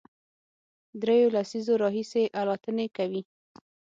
درېیو لسیزو راهیسې الوتنې کوي،